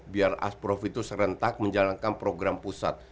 biar a tiga itu serentak menjalankan program pusat